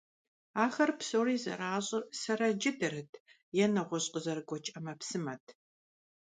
Ахэр псори зэращӀыр сэрэ джыдэрэт е нэгъуэщӀ къызэрыгуэкӀ Ӏэмэпсымэт.